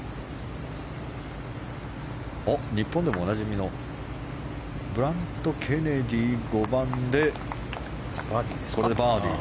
日本でもおなじみのブラッド・ケネディ５番でバーディー。